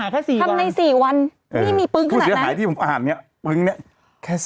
หาทำใน๔วันไม่มีปึ๊งขนาดนั้นผู้เสียหายที่ผมอ่านเนี่ยปึ๊งเนี่ยแค่๔วัน